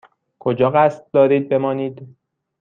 کجا قصد دارید بمانید؟